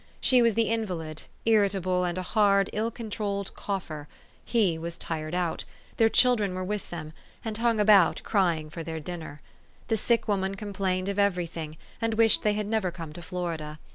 She was the invalid, irritable, and a hard, ill controlled cougher: he was tired out; their children were with them, and hung about, cry ing for their dinner. The sick woman complained of every thing, and wished they had never come to Florida.